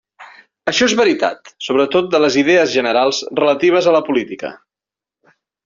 Això és veritat sobretot de les idees generals relatives a la política.